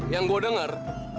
yang gua dengar